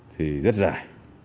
thì rất dài